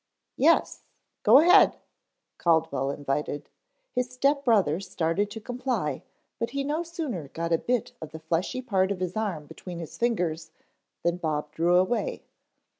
"Yes, go ahead," Caldwell invited. His step brother started to comply but he no sooner got a bit of the fleshy part of his arm between his fingers than Bob drew away.